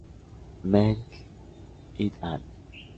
Meng "et al".